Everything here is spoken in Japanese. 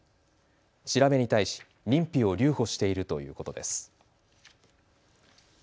調べに対し、認否を留保しているということです。